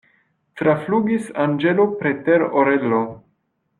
Traflugis anĝelo preter orelo.